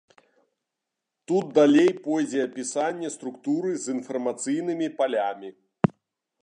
Тут далей пойдзе апісанне структуры з інфармацыйнымі палямі.